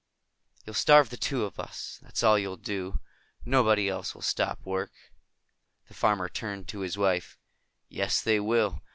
"You'll starve the two of us, that's all you'll do. Nobody else will stop work." The farmer turned to his wife. "Yes, they will.